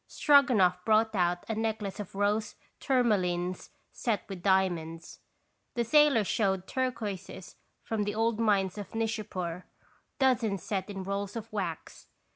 Stroganoff brought out a necklace of rose tourmalines set with diamonds. The sailor showed turquoises from the old mines of Nishapur, dozens set in rolls of wax.